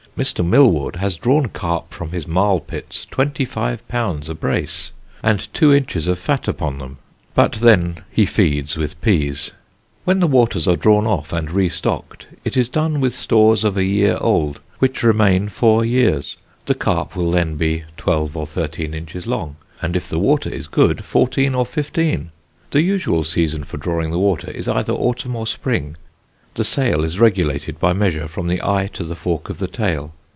Mr. Milward has drawn carp from his marl pits 25lb. a brace, and two inches of fat upon them, but then he feeds with pease. When the waters are drawn off and re stocked, it is done with stores of a year old, which remain four years: the carp will then be 12 or 13 inches long, and if the water is good, 14 or 15. The usual season for drawing the water is either Autumn or Spring: the sale is regulated by measure, from the eye to the fork of the tail.